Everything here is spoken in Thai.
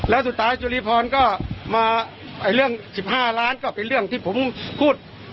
แล้วสุดท้ายจุรีพรก็มาเรื่อง๑๕ล้านก็เป็นเรื่องที่ผมพูด